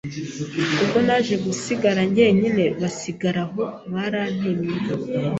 Ubwo naje gusigara njyenyine basigaraho barantemye